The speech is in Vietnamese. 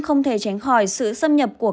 không thể tránh khỏi sự xâm nhập của